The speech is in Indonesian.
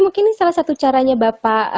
mungkin ini salah satu caranya bapak